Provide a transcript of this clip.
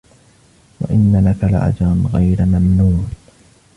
وإن لك لأجرا غير ممنون